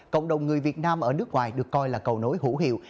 cộng đồng người việt nam ở nước ngoài được coi là cầu nối hữu hiệu